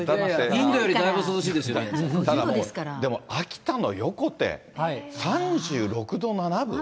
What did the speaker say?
インドよりだいぶ涼しいですよ、ただ秋田の横手、３６度７分。